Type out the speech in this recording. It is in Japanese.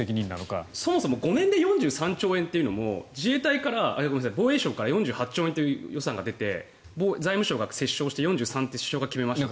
そもそも５年で４３兆円というのも防衛省から４３兆円という予算が出て財務省が折衝して４３と決めましたと。